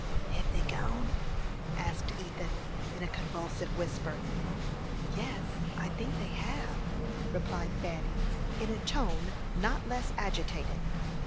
"Hev they gone?" asked Ethan, in a convulsive whisper. "Yes, I think they have," replied Fanny, in a tone not less agitated.